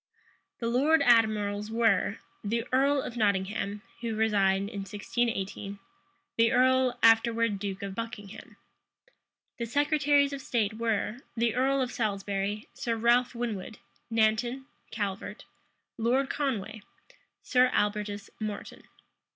The lord admirals were, the earl of Nottingham, who resigned in 1618; the earl, afterwards duke of Buckingham. The secretaries of state were, the earl of Salisbury, Sir Ralph Winwood, Nanton, Calvert, Lord Conway, Sir Albertus Moreton.